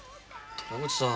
虎口さん